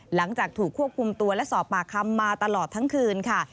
หลังจากถูกควบคุมตัวและสอบปากคำมาตลอดทั้งคืนค่ะ